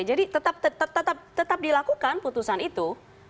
jadi tetap tetap tetap tetap dilakukan putusan itu